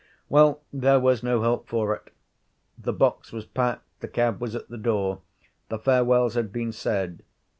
Well, there was no help for it. The box was packed, the cab was at the door. The farewells had been said.